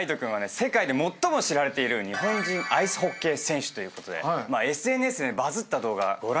世界で最も知られている日本人アイスホッケー選手ということでＳＮＳでバズった動画ご覧になっていかがでしたか？